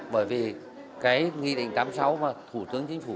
bởi vì cái nghị định tám mươi sáu mà thủ tướng chính phủ